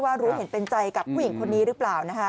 รู้เห็นเป็นใจกับผู้หญิงคนนี้หรือเปล่านะคะ